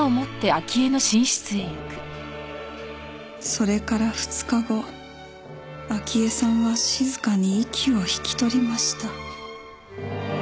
それから２日後明江さんは静かに息を引き取りました。